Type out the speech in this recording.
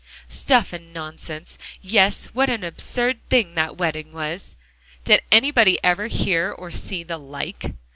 "Stuff and nonsense! Yes, what an absurd thing that wedding was. Did anybody ever hear or see the like!"